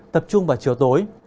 tập trung vào chiều tối